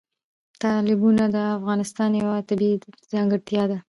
تالابونه د افغانستان یوه طبیعي ځانګړتیا ده.